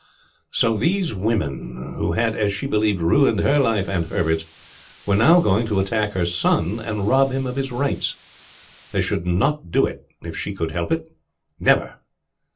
So these women, who had as she believed ruined her life and Herbert's, were now going to attack her son and rob him of his rights. They should not do it if she could help it. Never!